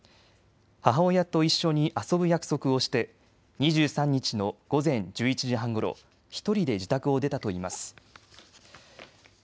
母親と一緒に遊ぶ約束をして２３日の午前１１時半ごろ１人で自宅を出たといいます。